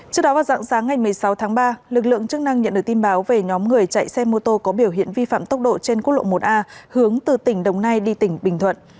trước đó vào dạng sáng ngày một mươi sáu tháng ba lực lượng chức năng nhận được tin báo về nhóm người chạy xe mô tô có biểu hiện vi phạm tốc độ trên quốc lộ một a hướng từ tỉnh đồng nai đi tỉnh bình thuận